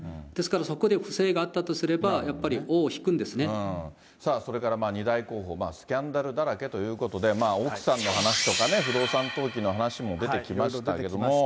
ですから、そこで不正があったとすれば、さあ、それから２大候補、スキャンダルだらけということで、奥さんの話とかね、不動産登記の話も出てきましたけれども。